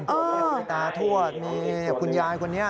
มีตาทวดมีคุณยายคนนี้